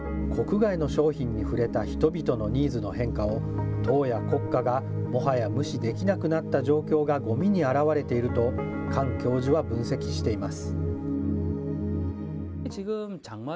国外の商品に触れた人々のニーズの変化を党や国家がもはや無視できなくなった状況がごみにあらわれていると、カン教授は分析しています。